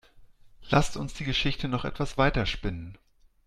Lasst uns die Geschichte noch etwas weiter spinnen.